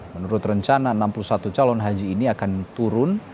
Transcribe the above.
menurut rencana enam puluh satu calon haji ini akan turun